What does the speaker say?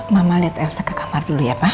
mama lihat elsa ke kamar dulu ya pak